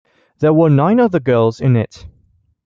There were nine other girls in it.